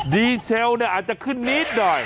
ดีเซลอาจจะขึ้นนิดหน่อย